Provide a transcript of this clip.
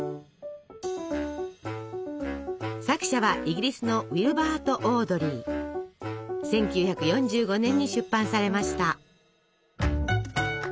作者はイギリスの１９４５年に出版されました。